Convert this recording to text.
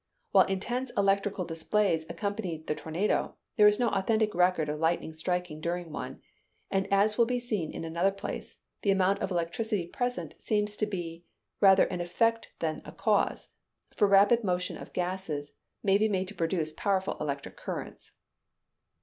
While intense electrical displays accompany the tornado, there is no authentic record of lightning striking during one; and as will be seen in another place, the amount of electricity present seems to be rather an effect than a cause: for rapid motion of gases may be made to produce powerful electric currents.